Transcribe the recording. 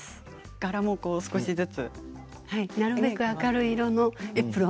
柄もね、少しずつ。